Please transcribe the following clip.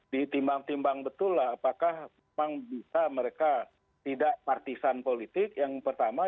ditimbang timbang betul lah apakah memang bisa mereka tidak partisan politik yang pertama